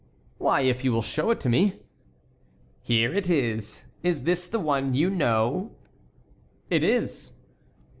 "Why, if you will show it to me." "Here it is. Is this the one you know?" "It is."